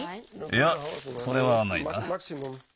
いやそれはないな。